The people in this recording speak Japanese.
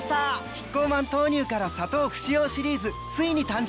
キッコーマン豆乳から砂糖不使用シリーズついに誕生！